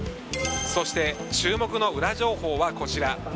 そして、注目のウラ情報はこちら。